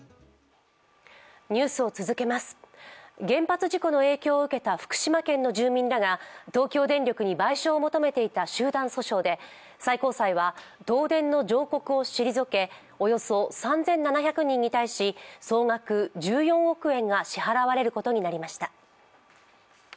原発事故の影響を受けた福島県の住民らが東京電力に賠償を求めていた集団訴訟で最高裁は、東電の上告を退けおよそ３７００人に対し総額１４億円が支払われることになりました。